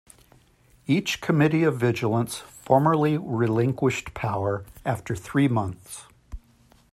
Each Committee of Vigilance formally relinquished power after three months.